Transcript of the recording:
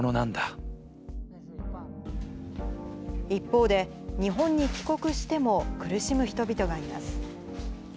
一方で、日本に帰国しても苦しむ人々がいます。